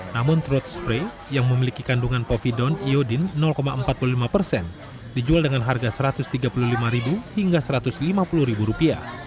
namun throat spray yang memiliki kandungan povidon iodin empat puluh lima persen dijual dengan harga rp satu ratus tiga puluh lima hingga rp satu ratus lima puluh